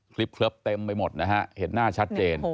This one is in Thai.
คลิปเลิฟเต็มไปหมดนะฮะเห็นหน้าชัดเจน